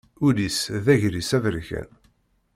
Ul-is d agris aberkan.